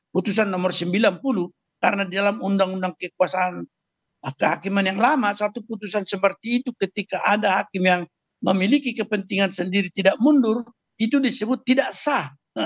putusan nomor sembilan puluh karena dalam undang undang kekuasaan kehakiman yang lama satu putusan seperti itu ketika ada hakim yang memiliki kepentingan sendiri tidak mundur itu disebut tidak sah